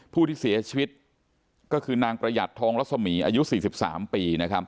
ผู้ที่เสียชีวิตก็คือนางประหยัดทองรัศมีอายุ๔๓ปี